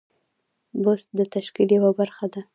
بست د تشکیل یوه برخه ده.